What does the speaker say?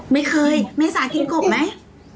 ไม่เคยเมษากินกบไหม